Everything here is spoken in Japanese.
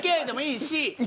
２Ｋでもいいし。